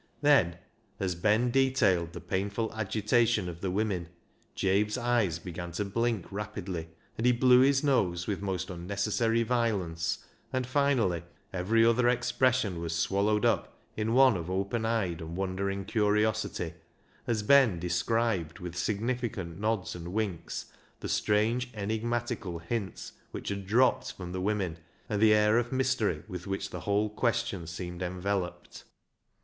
Then, as Ben detailed the painful agitation of the women, Jabe's eyes began to blink rapidly, and he blew his nose with most unnecessary violence, and finally every other expression was swallowed up in one of open eyed and wondering curiosity, as Ben described with significant nods and winks the strange enigmatical hints which had dropped from the women, and the air of mystery with which the whole question seemed enveloped.